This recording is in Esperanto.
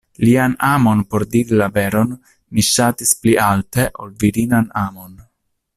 Lian amon por diri la veron mi ŝatis pli alte, ol virinan amon.